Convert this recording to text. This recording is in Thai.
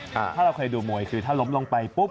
ถ้าเราเคยดูมวยคือถ้าล้มลงไปปุ๊บ